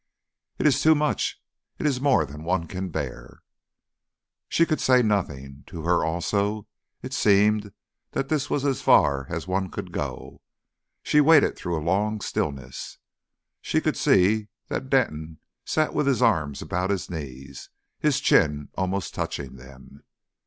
"It is too much it is more than one can bear!" She could say nothing. To her, also, it seemed that this was as far as one could go. She waited through a long stillness. She could see that Denton sat with his arms about his knees, his chin almost touching them.